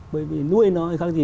bởi vì nuôi nó hay khác gì